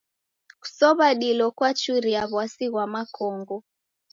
Kusow'a dilo kwachuria w'asi ghwa makongo.